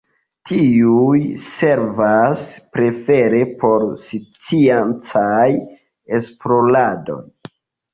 Tiuj servas prefere por sciencaj esploradoj.